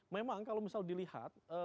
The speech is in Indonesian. memang kalau misal dilihat